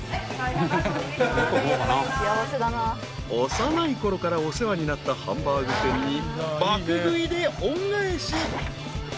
［幼いころからお世話になったハンバーグ店に爆食いで恩返し］